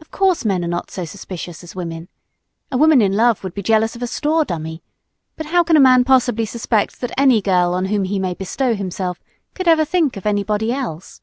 Of course men are not so suspicious as women. A woman in love would be jealous of a store dummy; but how can a man possibly suspect that any girl on whom he may bestow himself could ever think of anybody else?